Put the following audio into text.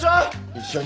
一緒に。